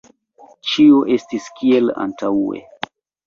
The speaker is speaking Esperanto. Ĉio estis kiel antaŭe.